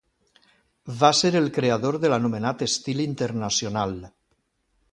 Va ser el creador de l'anomenat Estil Internacional.